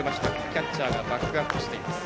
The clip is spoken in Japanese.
キャッチャーがバックアップしています。